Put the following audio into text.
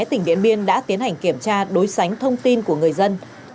tỉnh điện biên đã tiến hành kiểm tra đối sánh thông tin của người dân